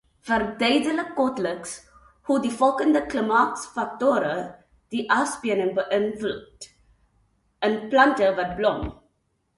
Verduidelik kortliks hoe die volgende klimaatsfaktore die afspening beïnvloed in plante wat blom.